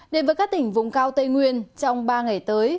đến với các tỉnh vùng cao tây nguyên trong ba ngày tới